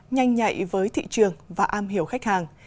nhanh nhạy với thị trường và am hiểu khách hàng